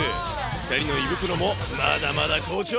２人の胃袋もまだまだ好調。